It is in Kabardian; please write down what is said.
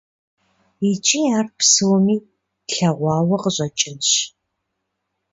Икӏи ар псоми тлъэгъуауэ къыщӏэкӏынщ.